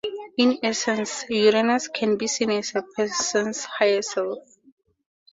In essence, Uranus can be seen as a person's higher self.